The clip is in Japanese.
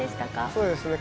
そうですね。